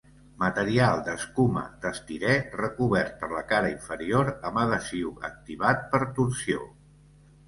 Material d'escuma d'estirè recobert per la cara inferior amb adhesiu activat per torsió.